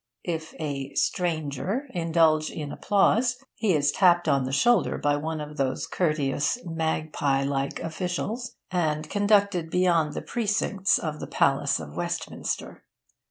If a 'stranger' indulge in applause, he is tapped on the shoulder by one of those courteous, magpie like officials, and conducted beyond the precincts of the Palace of Westminster.